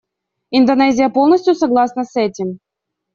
Индонезия полностью согласна с этим.